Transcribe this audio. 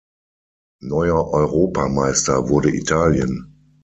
Neuer Europameister wurde Italien.